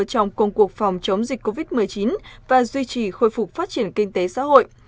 trong công cuộc phòng chống dịch covid một mươi chín và duy trì khôi phục phát triển kinh tế xã hội